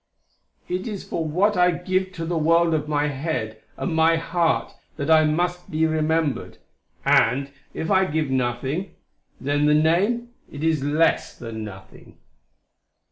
"It is for what I give to the world of my head and my heart that I must be remembered. And, if I give nothing then the name, it is less than nothing."